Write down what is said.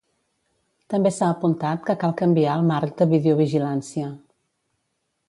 També s'ha apuntat que cal canviar el marc de videovigilància.